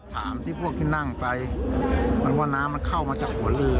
ที่พวกที่นั่งไปมันว่าน้ำมันเข้ามาจากหัวเรือ